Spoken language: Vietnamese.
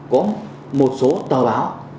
có một số tờ báo